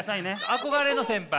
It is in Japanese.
憧れの先輩